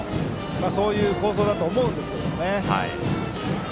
そういう構想だと思うんですね。